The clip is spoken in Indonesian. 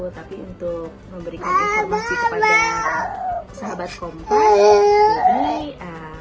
tapi untuk memberikan informasi kepada sahabat kompor